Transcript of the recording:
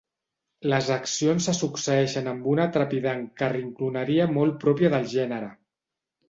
Les accions se succeeixen amb una trepidant carrincloneria molt pròpia del gènere.